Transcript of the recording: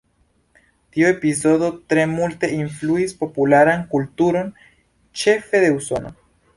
Tio epizodo tre multe influis popularan kulturon, ĉefe de Usono.